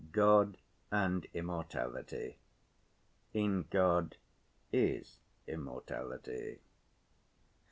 "God and immortality. In God is immortality."